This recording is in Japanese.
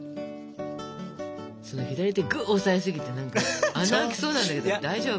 その左手ぐ押さえすぎて何か穴開きそうなんだけど大丈夫？